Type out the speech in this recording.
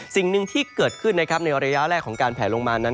สิ่งหนึ่งที่เกิดขึ้นนะครับในระยะแรกของการแผลลงมานั้น